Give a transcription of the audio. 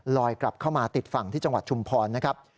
กลับเข้ามาติดฝั่งที่จังหวัดชุมพรนะครับ